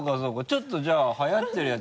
ちょっとじゃあはやってるやつ。